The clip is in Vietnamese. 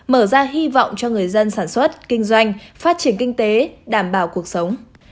mở ra hy vọng cho người dân sản xuất kinh doanh phát triển kinh tế đảm bảo cuộc sống